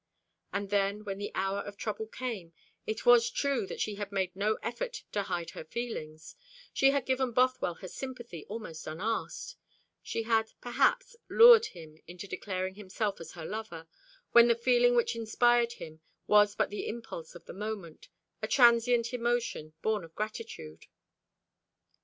And then, when the hour of trouble came, it was true that she had made no effort to hide her feelings; she had given Bothwell her sympathy almost unasked; she had, perhaps, lured him into declaring himself as her lover, when the feeling which inspired him was but the impulse of the moment, a transient emotion, born of gratitude.